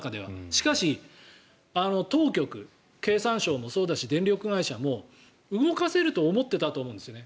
しかし、当局経産省もそうだし電力会社も動かせると思っていたと思うんですよね。